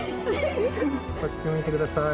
こっち向いて下さい。